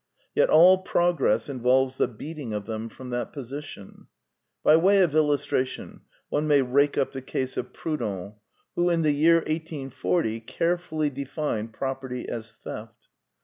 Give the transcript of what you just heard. Yet all progress involves the beating of them from that position. By way of illustration, one may rake up the case of Proudhon, who in the year 1840 carefully de fined property as theft.